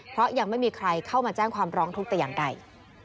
เพราะยังไม่มีใครเข้ามาแจ้งความร้องทุกข์แต่อย่างใด